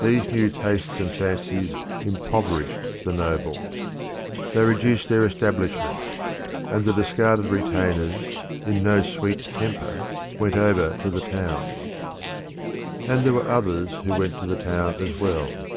These new tastes and fancies impoverished the nobles. They reduced their establishments; and the discarded retainers, in no sweet temper, went over to the Town. The Town And there were others who went to the Town as well.